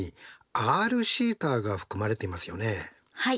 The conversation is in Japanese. はい。